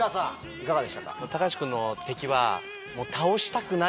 いかがでしたか？